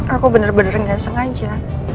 aku bener bener gak sengaja